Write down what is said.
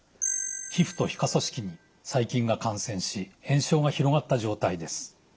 皮膚と皮下組織に細菌が感染し炎症が広がった状態です。